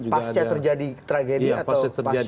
pasca terjadi tragedi atau pasca